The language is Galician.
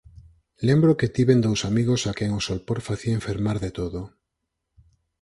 Lembro que tiven dous amigos a quen o solpor facía enfermar de todo.